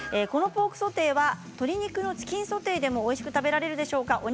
このポークソテーは鶏肉のチキンソテーでもおいしく食べられるでしょうか？